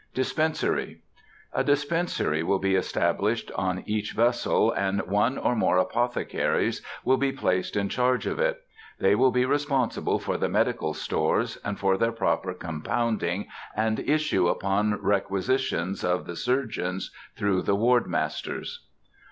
DISPENSARY. A dispensary will be established on each vessel, and one or more apothecaries will be placed in charge of it. They will be responsible for the medical stores, and for their proper compounding and issue upon requisitions of the surgeons through the ward masters.